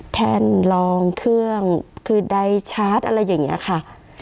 แท่นลองเครื่องคือใดชาร์จอะไรอย่างนี้ค่ะ